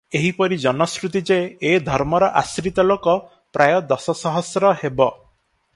ଏହିପରି ଜନଶ୍ରୁତି ଯେ ଏ ଧର୍ମର ଆଶ୍ରିତ ଲୋକ ପ୍ରାୟ ଦଶ ସହସ୍ର ହେବ ।